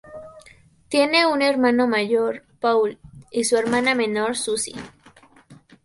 Tiene un hermano mayor, Paul y una hermana menor, Suzy.